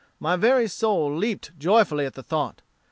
My very soul leaped joyfully at the thought.